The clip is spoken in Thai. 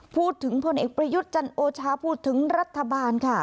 พลเอกประยุทธ์จันโอชาพูดถึงรัฐบาลค่ะ